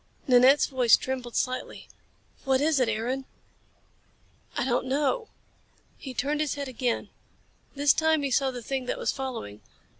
Nanette's voice trembled slightly. "What is it, Aaron?" "I don't know." He turned his head again. This time he saw the thing that was following.